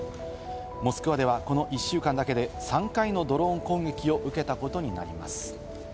モスクワではこの１週間だけで３回のドローン攻撃を受けたことになります。